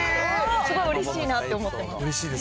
すごいうれしいなって思ってます。